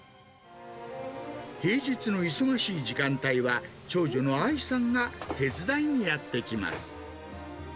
平日の忙しい時間帯は、長女の愛さんが、手伝いにやって来ます。